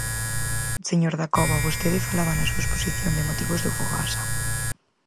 Señor Dacova, vostede falaba na súa exposición de motivos do Fogasa.